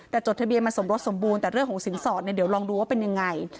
แต่จดทะเบียนมันสมรสสมบูรณ์แต่เรื่องของสินสอดเนี่ยเดี๋ยวลองดูว่าเป็นยังไง